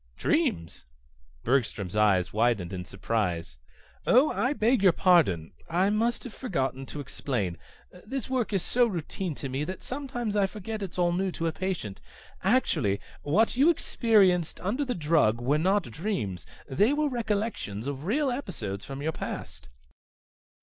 "Dreams?" Bergstrom's eyes widened in surprise. "Oh, I beg your pardon. I must have forgotten to explain. This work is so routine to me that sometimes I forget it's all new to a patient. Actually what you experienced under the drug were not dreams. They were recollections of real episodes from your past."